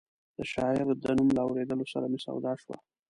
د شاعر د نوم له اورېدو سره مې سودا شوه.